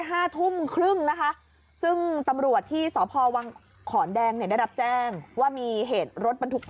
เหตุการณ์นี้มีคนตาย